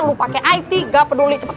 lu pake it gak peduli